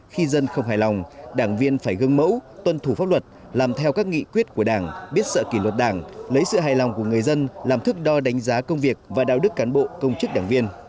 khi dân không hài lòng đảng viên phải gương mẫu tuân thủ pháp luật làm theo các nghị quyết của đảng biết sợ kỷ luật đảng lấy sự hài lòng của người dân làm thức đo đánh giá công việc và đạo đức cán bộ công chức đảng viên